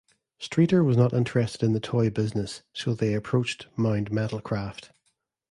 Streater was not interested in the toy business so they approached Mound Metalcraft.